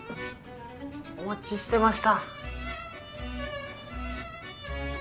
お待ちしてました。